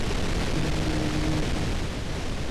অসহযোগ আন্দোলনের আহ্বানে সেই পদ ত্যাগ করেন।